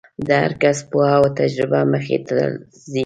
د هر کس پوهه او تجربه مخې ته راځي.